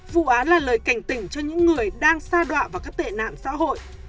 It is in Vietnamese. vụ án là lời cảnh tỉnh cho những người đang xa đoạ vào các tệ nạn xã hội